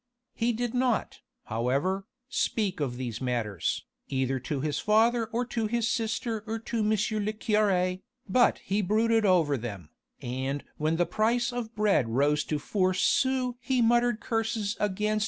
He did not, however, speak of these matters, either to his father or to his sister or to M. le curé, but he brooded over them, and when the price of bread rose to four sous he muttered curses against M.